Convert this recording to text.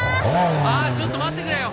ああちょっと待ってくれよ！